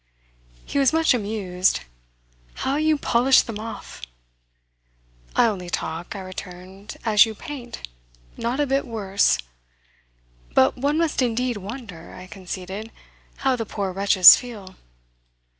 He was much amused. "How you polish them off!" "I only talk," I returned, "as you paint; not a bit worse! But one must indeed wonder," I conceded, "how the poor wretches feel."